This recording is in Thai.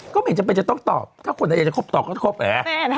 ไม่จำเป็นจะต้องตอบถ้าคนไหนอยากจะครบตอบก็จะครบเหรอ